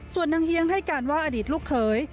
ส่วนนางเฮียงให้การว่าอดีตลูกเขย